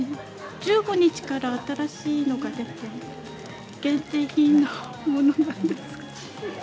１５日から新しいのが出て、限定品のものなんですが。